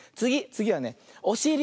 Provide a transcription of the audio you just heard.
つぎはねおしり。